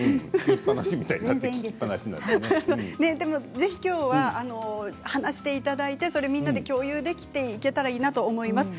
ぜひきょうは話していただいてみんなで共有できていけたらいいかなと思います。